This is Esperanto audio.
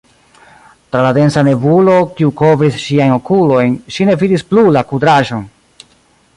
Tra la densa nebulo, kiu kovris ŝiajn okulojn, ŝi ne vidis plu la kudraĵon.